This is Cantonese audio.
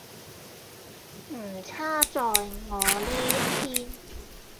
唔差在我呢一篇～